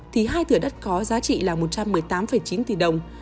thì hai thửa đất có giá trị là một trăm một mươi tám chín tỷ đồng